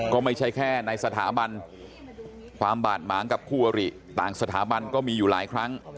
ก็ไม่ใช่แค่ในสถาบันความบาดหมางกับคู่อริต่างสถาบันก็มีอยู่หลายครั้ง